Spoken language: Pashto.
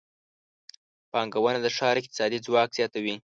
پانګونه د ښار اقتصادي ځواک زیاتوي.